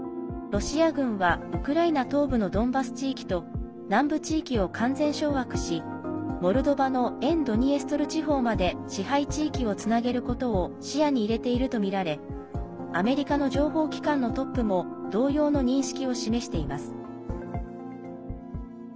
ロシア軍はウクライナ東部のドンバス地域と南部地域を完全掌握しモルドバの沿ドニエストル地方まで支配地域をつなげることを視野に入れているとみられアメリカの情報機関のトップも同様の認識を示しています。